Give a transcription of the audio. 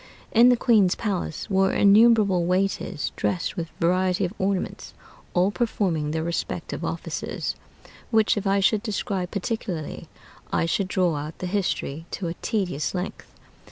In the queen's palace were innumerable waiters, dressed with variety of ornaments, all performing their respective offices; which, if I should describe particularly, I should draw out the history to a tedious length.